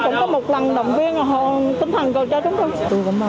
cũng có một lần động viên tinh thần cho chúng tôi